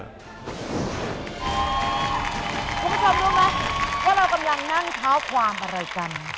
คุณผู้ชมรู้ไหมว่าเรากำลังนั่งเท้าความอะไรกัน